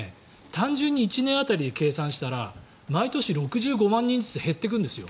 単純に１年当たりで計算したら毎年６５万人ずつ減っていくんですよ。